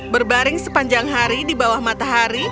berbaring sepanjang hari di bawah matahari